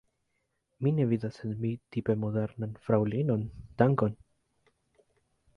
Mi ne vidas en mi tipe modernan fraŭlinon; dankon!